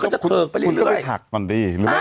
เหมือนติดแฮพี